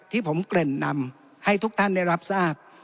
ที่ผมเกริ่นนำให้ทุกท่านได้รับทราบ